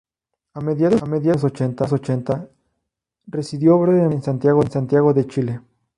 A mediados de los años ochenta residió brevemente en Santiago de Chile.